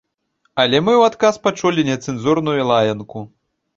Але мы ў адказ пачулі нецэнзурную лаянку.